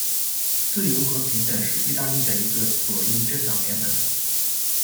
自由和平等是意大利的一个左翼政党联盟。